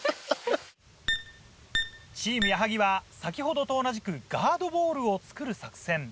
チーム矢作は先ほどと同じくガードボールをつくる作戦。